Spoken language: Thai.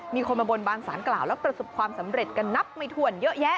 มีคนมาบนบานสารกล่าวแล้วประสบความสำเร็จกันนับไม่ถ้วนเยอะแยะ